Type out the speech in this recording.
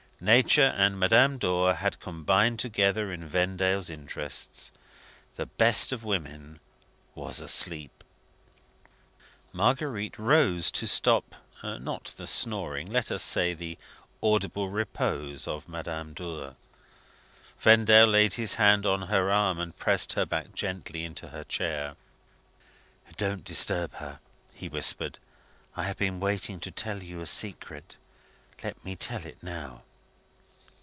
Nature and Madame Dor had combined together in Vendale's interests. The best of women was asleep. Marguerite rose to stop not the snoring let us say, the audible repose of Madame Dor. Vendale laid his hand on her arm, and pressed her back gently into her chair. "Don't disturb her," he whispered. "I have been waiting to tell you a secret. Let me tell it now."